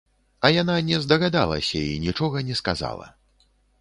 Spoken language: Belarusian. А яна не здагадалася і нічога не сказала.